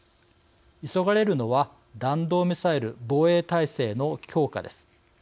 急がれるのは弾道ミサイル防衛体制の強化です。